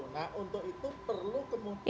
nah untuk itu perlu kemudian